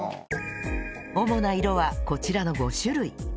主な色はこちらの５種類